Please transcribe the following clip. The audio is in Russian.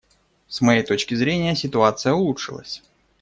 С моей точки зрения, ситуация улучшилась.